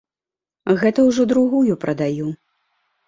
Гэта ўжо другую прадаю.